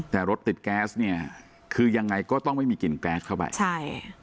แต่รถติดแก๊สเนี่ยคือยังไงก็ต้องไม่มีกลิ่นแก๊สเข้าไปใช่